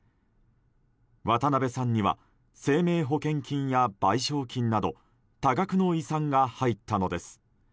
渡辺さんには生命保険金や賠償金など多額の遺産が入ったのです。